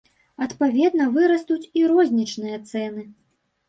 Адпаведна вырастуць і рознічныя цэны.